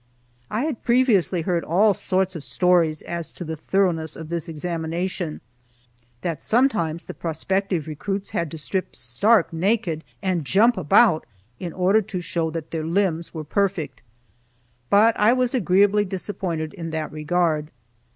I had previously heard all sorts of stories as to the thoroughness of this examination, that sometimes the prospective recruits had to strip, stark naked, and jump about, in order to show that their limbs were perfect. But I was agreeably disappointed in that regard.